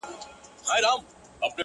خو له دې بې شرفۍ سره په جنګ یم ـ